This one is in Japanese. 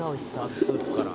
「まずスープから」